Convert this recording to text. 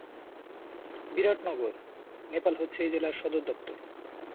বিরাটনগর, নেপাল হচ্ছে এই জেলার সদরদপ্তর।